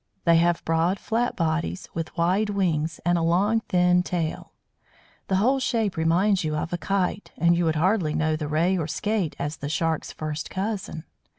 They have broad, flat bodies, with wide "wings," and a long thin tail. The whole shape reminds you of a kite, and you would hardly know the Ray or Skate as the Shark's first cousin.